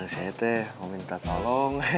saya teh mau minta tolong